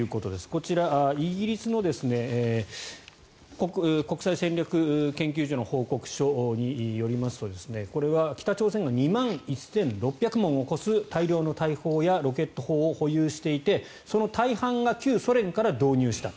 こちら、イギリスの国際戦略研究所の報告書によりますとこれは、北朝鮮は２万１６００門を超す大量の大砲やロケット砲を保有していてその大半が旧ソ連から導入した。